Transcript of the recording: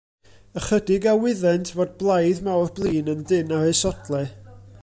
Ychydig a wyddent fod blaidd mawr blin yn dynn ar eu sodlau.